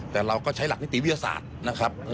แต่เราก็ใช้หลักิตวิทยาศาสตร์